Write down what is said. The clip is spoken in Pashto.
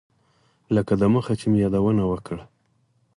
لکه دمخه چې مې یادونه وکړه.